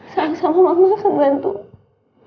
sayang sama mama kesentuhan tuh